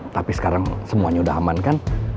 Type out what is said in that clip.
tapi sekarang semuanya udah aman kan